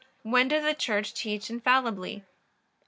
When does the Church teach infallibly?